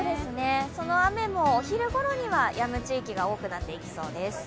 その雨も、お昼ごろには、やむ地域が多くなっていきそうです。